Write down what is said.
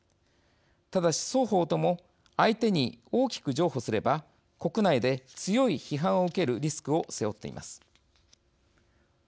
ただし、双方とも相手に大きく譲歩すれば国内で強い批判を受けるリスクを背負っています。